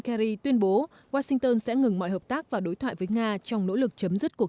kerry tuyên bố washington sẽ ngừng mọi hợp tác và đối thoại với nga trong nỗ lực chấm dứt cuộc